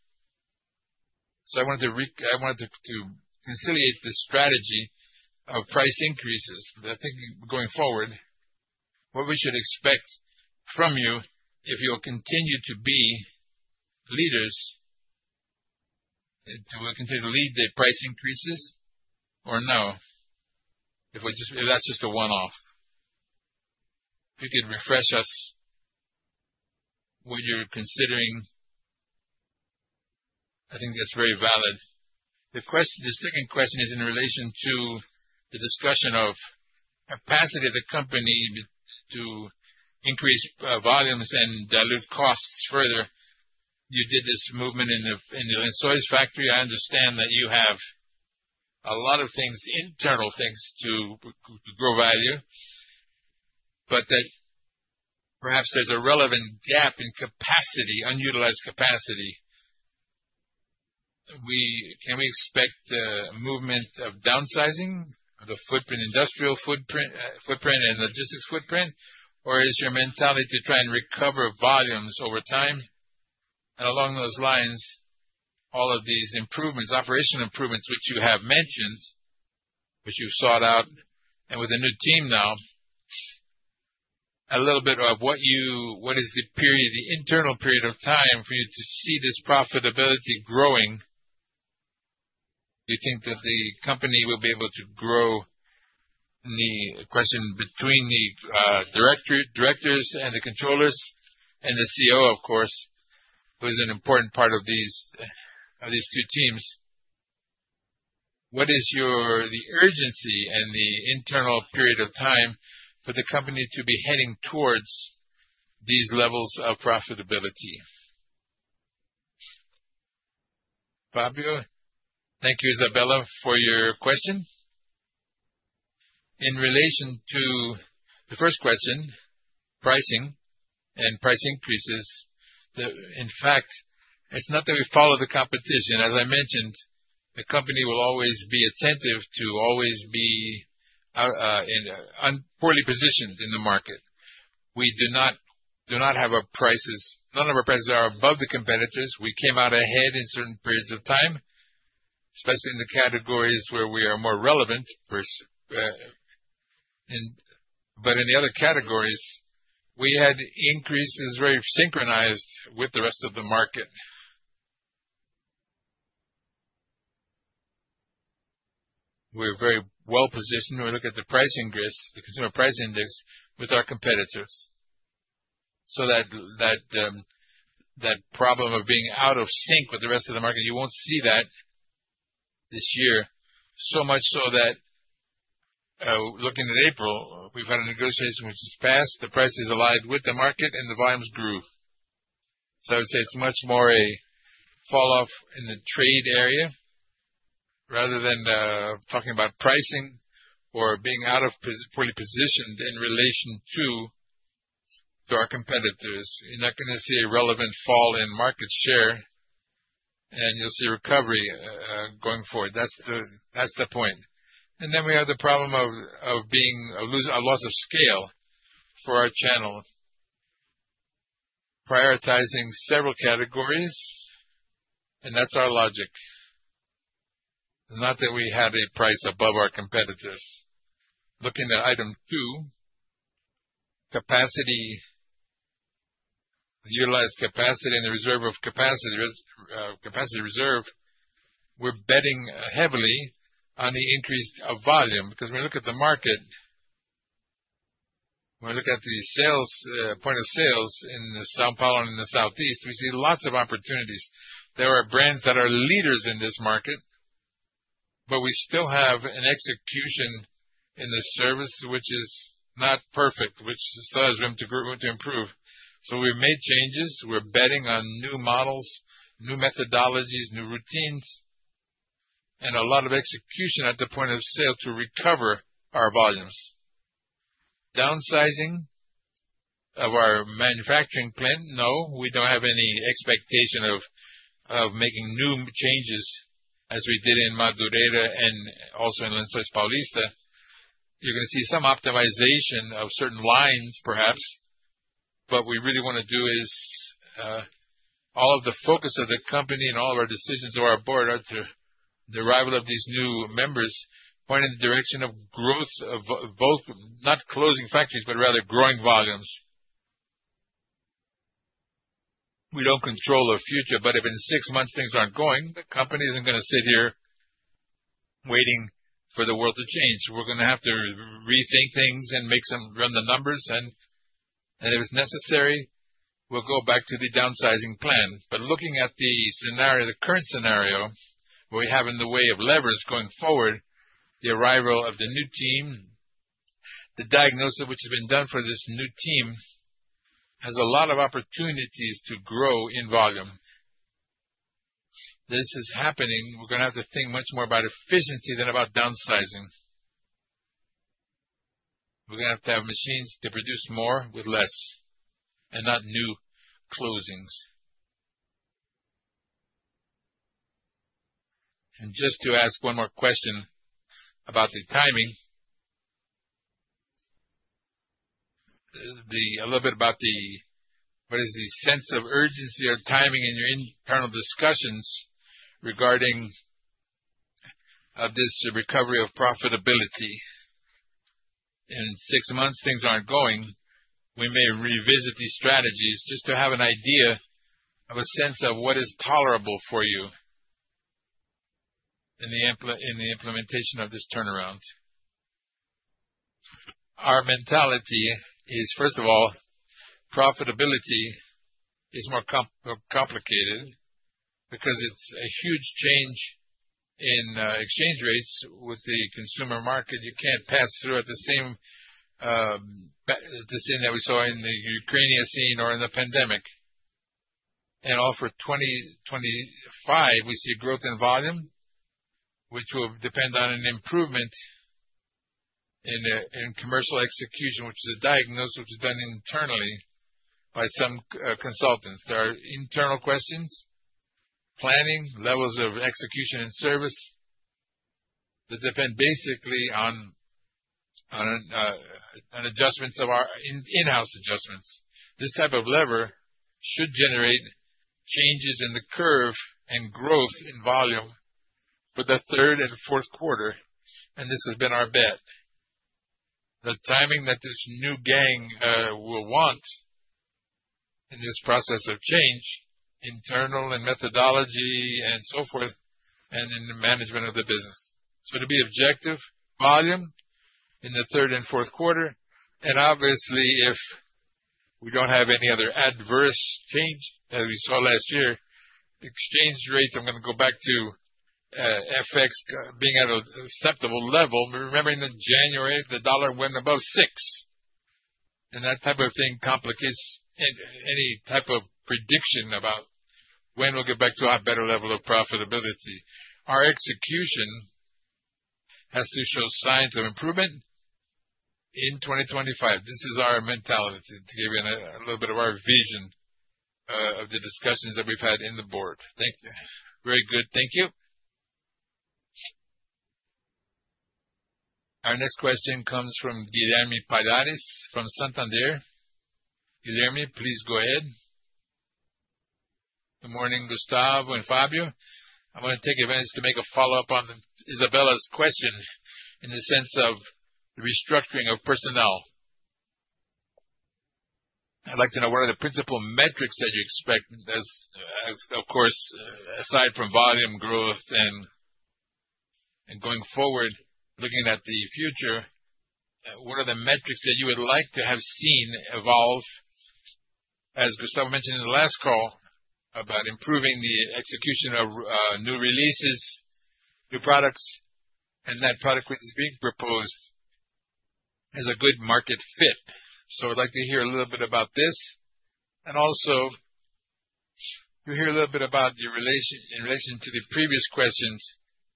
I wanted to conciliate the strategy of price increases. I think going forward, what we should expect from you if you'll continue to be leaders, if you will continue to lead the price increases or no, if that's just a one-off. If you could refresh us what you're considering, I think that's very valid. The second question is in relation to the discussion of capacity of the company to increase volumes and dilute costs further. You did this movement in the Lençóis Paulista factory. I understand that you have a lot of things, internal things to grow value, but that perhaps there's a relevant gap in capacity, unutilized capacity. Can we expect a movement of downsizing of the footprint, industrial footprint, and logistics footprint, or is your mentality to try and recover volumes over time? Along those lines, all of these improvements, operational improvements which you have mentioned, which you've sought out, and with a new team now, a little bit of what is the internal period of time for you to see this profitability growing? You think that the company will be able to grow in the question between the directors and the controllers and the CEO, of course, who is an important part of these two teams. What is the urgency and the internal period of time for the company to be heading towards these levels of profitability? Fabio, thank you, Isabella, for your question. In relation to the first question, pricing and price increases, in fact, it's not that we follow the competition. As I mentioned, the company will always be attentive to always be poorly positioned in the market. We do not have our prices; none of our prices are above the competitors. We came out ahead in certain periods of time, especially in the categories where we are more relevant, but in the other categories, we had increases very synchronized with the rest of the market. We're very well positioned. We look at the price index, the consumer price index with our competitors. That problem of being out of sync with the rest of the market, you will not see that this year. Much so that looking at April, we have had a negotiation which has passed. The price is aligned with the market, and the volumes grew. I would say it is much more a falloff in the trade area rather than talking about pricing or being poorly positioned in relation to our competitors. You are not going to see a relevant fall in market share, and you will see recovery going forward. That is the point. We have the problem of a loss of scale for our channel, prioritizing several categories, and that is our logic. Not that we had a price above our competitors. Looking at item two, capacity, the utilized capacity and the reserve of capacity reserve, we're betting heavily on the increase of volume because when we look at the market, when we look at the point of sales in São Paulo and in the Southeast, we see lots of opportunities. There are brands that are leaders in this market, but we still have an execution in the service which is not perfect, which still has room to improve. We have made changes. We're betting on new models, new methodologies, new routines, and a lot of execution at the point of sale to recover our volumes. Downsizing of our manufacturing plant, no, we don't have any expectation of making new changes as we did in Madureira and also in Lençóis Paulista. You're going to see some optimization of certain lines, perhaps, but what we really want to do is all of the focus of the company and all of our decisions of our board are to the arrival of these new members, pointing the direction of growth of both, not closing factories, but rather growing volumes. We don't control our future, but if in six months things aren't going, the company isn't going to sit here waiting for the world to change. We're going to have to rethink things and run the numbers, and if it's necessary, we'll go back to the downsizing plan. Looking at the current scenario we have in the way of levers going forward, the arrival of the new team, the diagnosis which has been done for this new team has a lot of opportunities to grow in volume. This is happening. We're going to have to think much more about efficiency than about downsizing. We're going to have to have machines to produce more with less and not new closings. Just to ask one more question about the timing, a little bit about what is the sense of urgency or timing in your internal discussions regarding this recovery of profitability. In six months, things aren't going. We may revisit these strategies just to have an idea of a sense of what is tolerable for you in the implementation of this turnaround. Our mentality is, first of all, profitability is more complicated because it's a huge change in exchange rates with the consumer market. You can't pass through at the same thing that we saw in the Ukraine scene or in the pandemic. For 2025, we see growth in volume, which will depend on an improvement in commercial execution, which is a diagnosis which is done internally by some consultants. There are internal questions, planning, levels of execution, and service that depend basically on in-house adjustments. This type of lever should generate changes in the curve and growth in volume for the third and fourth quarter, and this has been our bet. The timing that this new management will want in this process of change, internal and methodology and so forth, and in the management of the business. To be objective. Volume in the third and fourth quarter. Obviously, if we do not have any other adverse change as we saw last year, exchange rates, I am going to go back to FX being at an acceptable level. Remember in January, the dollar went above $6. That type of thing complicates any type of prediction about when we'll get back to a better level of profitability. Our execution has to show signs of improvement in 2025. This is our mentality to give you a little bit of our vision of the discussions that we've had in the board. Very good. Thank you. Our next question comes from Guilherme Palhares from Santander. Guilherme, please go ahead. Good morning, Gustavo and Fabio. I want to take advantage to make a follow-up on Isabella's question in the sense of restructuring of personnel. I'd like to know what are the principal metrics that you expect, of course, aside from volume growth and going forward, looking at the future, what are the metrics that you would like to have seen evolve, as Gustavo mentioned in the last call, about improving the execution of new releases, new products, and that product which is being proposed is a good market fit. I'd like to hear a little bit about this. Also, to hear a little bit about your relation in relation to the previous questions,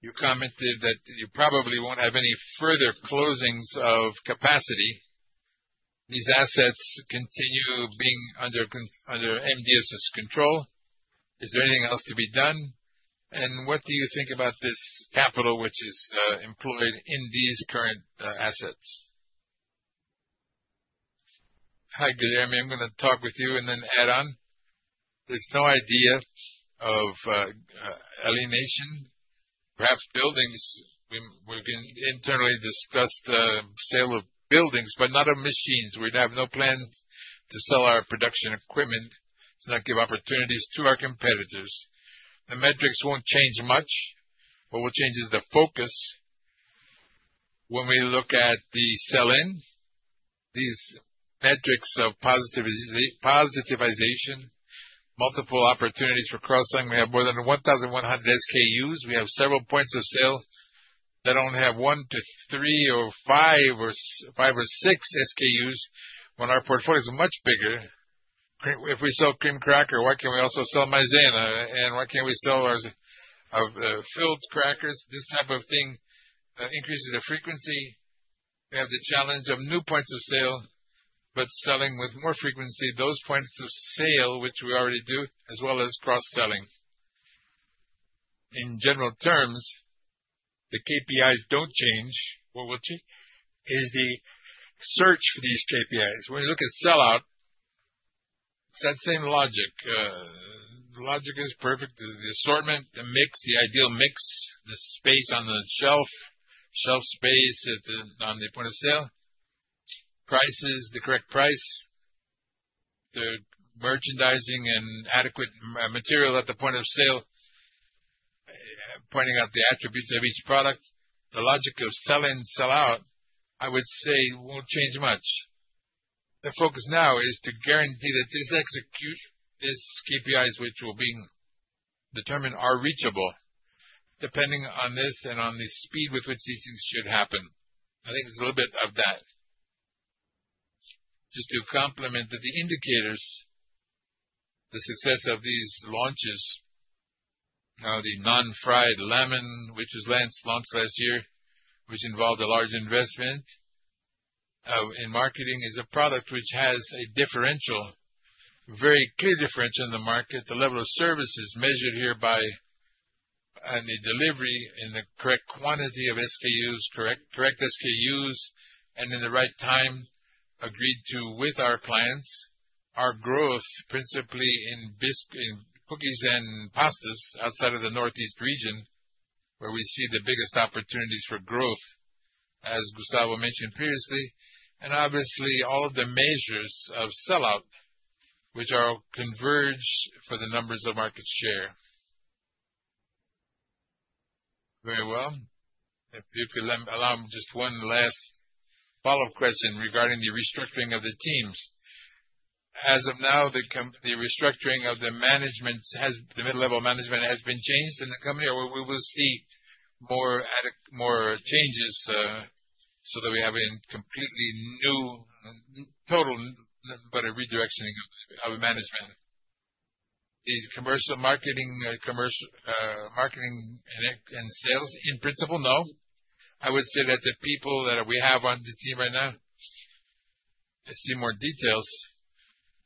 you commented that you probably won't have any further closings of capacity. These assets continue being under M. Dias Branco's control. Is there anything else to be done? What do you think about this capital which is employed in these current assets? Hi, Guilherme. I'm going to talk with you and then add on. There's no idea of alienation. Perhaps buildings. We've internally discussed the sale of buildings, but not of machines. We'd have no plans to sell our production equipment to not give opportunities to our competitors. The metrics won't change much, but what changes is the focus. When we look at the sell-in, these metrics of positivation, multiple opportunities for cross-selling, we have more than 1,100 SKUs. We have several points of sale that only have one to three or five or six SKUs when our portfolio is much bigger. If we sell cream cracker, why can't we also sell Maizena? And why can't we sell our filled crackers? This type of thing increases the frequency. We have the challenge of new points of sale, but selling with more frequency, those points of sale which we already do, as well as cross-selling. In general terms, the KPIs don't change. What will change is the search for these KPIs. When you look at sell-out, it's that same logic. The logic is perfect. The assortment, the mix, the ideal mix, the space on the shelf, shelf space on the point of sale, prices, the correct price, the merchandising and adequate material at the point of sale, pointing out the attributes of each product. The logic of sell-in, sell-out, I would say, won't change much. The focus now is to guarantee that these KPIs which will be determined are reachable depending on this and on the speed with which these things should happen. I think it's a little bit of that. Just to complement the indicators, the success of these launches, now the non-fried biscuit, which was launched last year, which involved a large investment in marketing, is a product which has a differential, very clear differential in the market. The level of service is measured here by the delivery in the correct quantity of SKUs, correct SKUs, and in the right time agreed to with our clients. Our growth principally in cookies and pastas outside of the Northeast region where we see the biggest opportunities for growth, as Gustavo mentioned previously. Obviously, all of the measures of sell-out, which are converged for the numbers of market share. Very well. If you could allow me just one last follow-up question regarding the restructuring of the teams. As of now, the restructuring of the management, the mid-level management, has been changed in the company, or we will see more changes so that we have a completely new, total but a redirection of management. Is commercial marketing and sales in principle? No. I would say that the people that we have on the team right now, I see more details.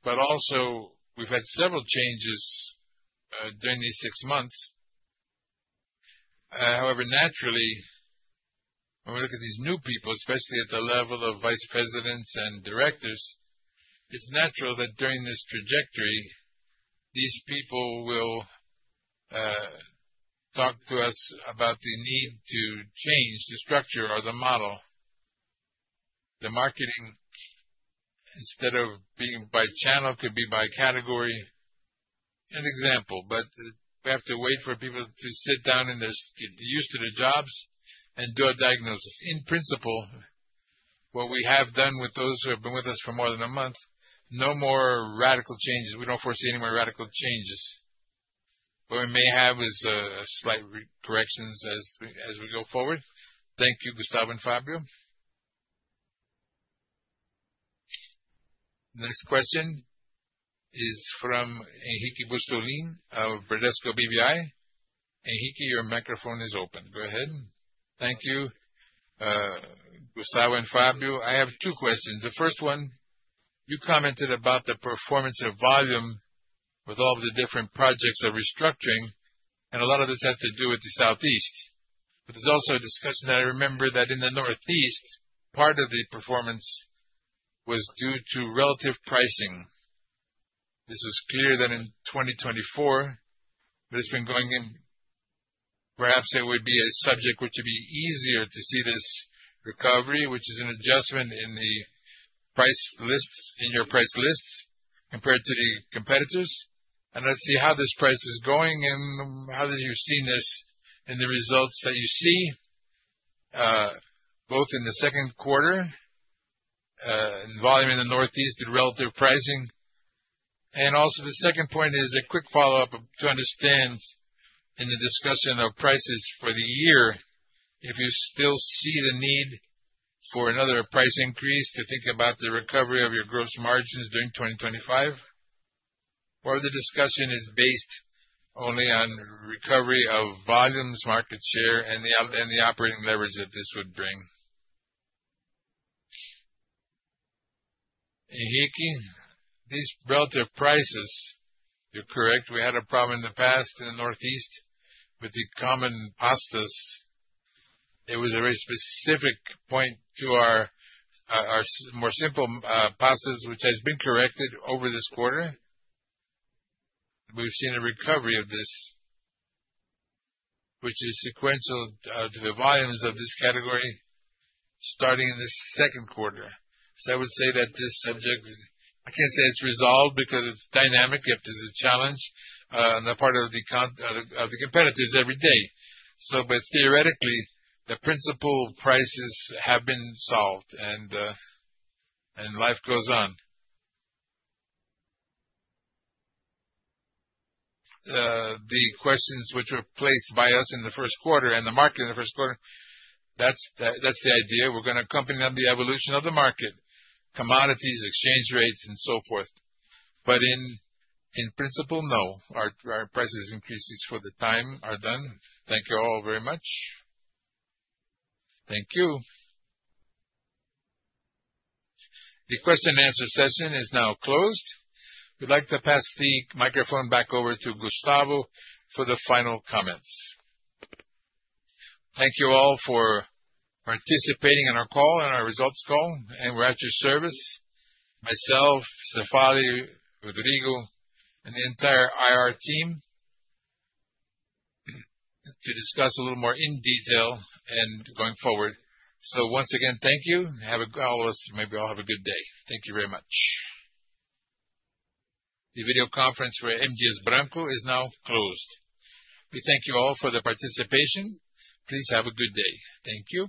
But also, we have had several changes during these six months. However, naturally, when we look at these new people, especially at the level of Vice Presidents and Directors, it is natural that during this trajectory, these people will talk to us about the need to change, to structure or the model. The marketing, instead of being by channel, could be by category. An example, but we have to wait for people to sit down and get used to the jobs and do a diagnosis. In principle, what we have done with those who have been with us for more than a month, no more radical changes. We do not foresee any more radical changes. What we may have is slight corrections as we go forward. Thank you, Gustavo and Fabio. Next question is from Henrique Brustolin of Bradesco BBI. Henrique, your microphone is open. Go ahead. Thank you. Gustavo and Fabio, I have two questions. The first one, you commented about the performance of volume with all of the different projects of restructuring, and a lot of this has to do with the Southeast. There is also a discussion that I remember that in the Northeast, part of the performance was due to relative pricing. This was clear then in 2024, but it has been going in. Perhaps it would be a subject which would be easier to see this recovery, which is an adjustment in your price lists compared to the competitors. Let's see how this price is going and how you've seen this in the results that you see, both in the second quarter, volume in the Northeast, the relative pricing. The second point is a quick follow-up to understand in the discussion of prices for the year, if you still see the need for another price increase to think about the recovery of your gross margins during 2025, or the discussion is based only on recovery of volumes, market share, and the operating leverage that this would bring. Henrique, these relative prices, you're correct. We had a problem in the past in the Northeast with the common pastas. It was a very specific point to our more simple pastas, which has been corrected over this quarter. We've seen a recovery of this, which is sequential to the volumes of this category starting in the second quarter. I would say that this subject, I can't say it's resolved because it's dynamic. It is a challenge on the part of the competitors every day. Theoretically, the principal prices have been solved, and life goes on. The questions which were placed by us in the first quarter and the market in the first quarter, that's the idea. We are going to accompany on the evolution of the market, commodities, exchange rates, and so forth. In principle, no. Our price increases for the time are done. Thank you all very much. Thank you. The question-and-answer session is now closed. We would like to pass the microphone back over to Gustavo for the final comments. Thank you all for participating in our call and our results call. We are at your service, myself, Cefaly, Rodrigo, and the entire IR team to discuss a little more in detail and going forward. Once again, thank you. Have a good—maybe have a good day. Thank you very much. The video conference for M. Dias Branco is now closed. We thank you all for the participation. Please have a good day. Thank you.